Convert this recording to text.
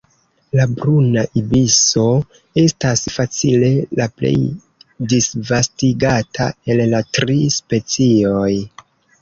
La Bruna ibiso estas facile la plej disvastigata el la tri specioj.